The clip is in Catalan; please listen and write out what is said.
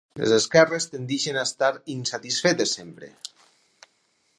Les esquerres tendeixen a estar insatisfetes sempre.